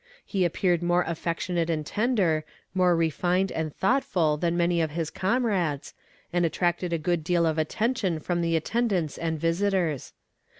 He appeared more affectionate and tender, more refined and thoughtful than many of his comrades, and attracted a good deal of attention from the attendants and visitors.